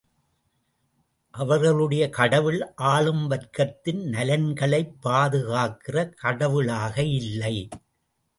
அவர்களுடைய கடவுள் ஆளும் வர்க்கத்தின் நலன்களைப் பாதுகாக்கிற கடவுளாக இல்லை.